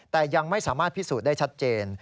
แต่ยังไม่สามารถพิสูจน์ได้ชัดเจน